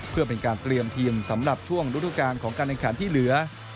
เพื่อเป็นการเตรียมทีมสำหรับช่วงฤดูการของการแข่งขันที่เหลือ